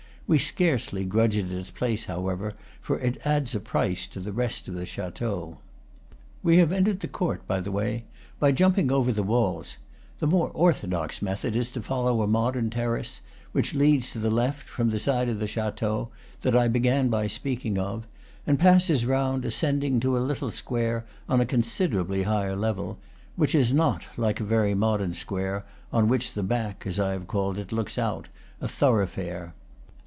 We scarcely grudge it its place, however, for it adds a price to the rest of the chateau. We have entered the court, by the way, by jump ing over the walls. The more orthodox method is to follow a modern, terrace, which leads to the left, from the side of the chateau that I began by speaking of, and passes round, ascending, to a little square on a considerably higher level, which is not, like a very modern square on which the back (as I have called it) looks out, a thoroughfare.